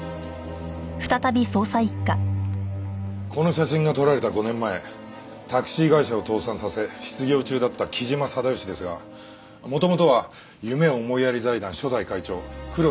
この写真が撮られた５年前タクシー会社を倒産させ失業中だった木島定良ですが元々は夢思いやり財団初代会長黒木定助の次男でした。